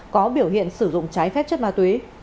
có biểu hiện sử dụng trái phép chất ma túy